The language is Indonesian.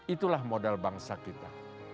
itulah modal bangsa kita